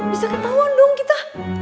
bisa ketahuan dong kita